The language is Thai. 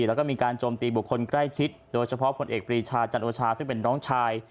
แล้วก็มีการโจมตีบุคคลใกล้ชิดโดยเฉพาะผลเอกปรีชาจันโอชาซึ่งเป็นน้องชาย